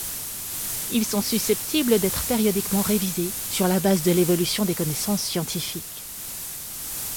Ils sont susceptibles d'être périodiquement révisés, sur la base de l'évolution des connaissances scientifiques.